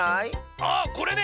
あこれね！